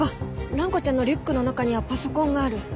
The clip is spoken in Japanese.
蘭子ちゃんのリュックの中にはパソコンがある。